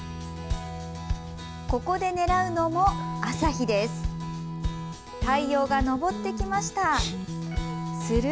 ここで狙うのも、朝日です。